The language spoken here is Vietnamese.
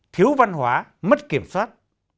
thiếu văn hóa mất kiểm soát